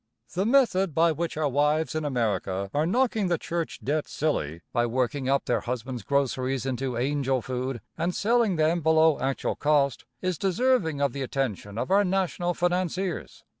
The method by which our wives in America are knocking the church debt silly, by working up their husbands' groceries into "angel food" and selling them below actual cost, is deserving of the attention of our national financiers.